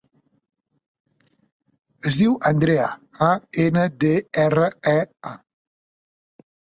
Es diu Andrea: a, ena, de, erra, e, a.